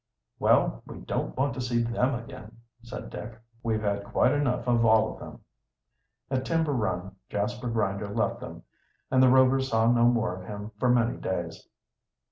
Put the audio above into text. "Well, we don't want to see them again," said Dick. "We've had quite enough of all of them." At Timber Run Jasper Grinder left them, and the Rovers saw no more of him for many days.